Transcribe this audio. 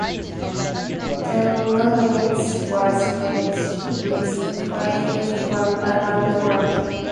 The launch was met with praise from around the world.